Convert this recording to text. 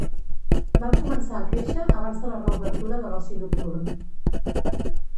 Vam començar a créixer abans de la reobertura de l’oci nocturn.